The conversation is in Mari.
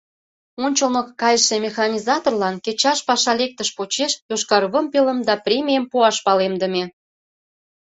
Ончылно кайше механизаторлан кечаш паша лектыш почеш йошкар вымпелым да премийым пуаш палемдыме.